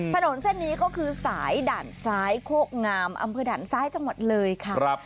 ถนนเส้นนี้ก็คือสายด่านซ้ายโคกงามอำเภอด่านซ้ายจังหวัดเลยค่ะ